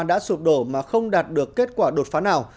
đã sụp đổ mà không đạt được kết quả đột phá nào